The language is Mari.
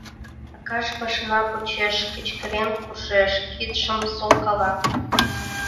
— Аркаш машина почеш кычкырен куржеш, кидшым солкала.